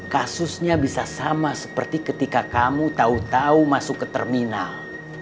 kasusnya bisa sama seperti ketika kamu tahu tahu masuk ke terminal